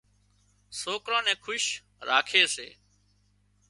سوڪران نين خوش راکي سي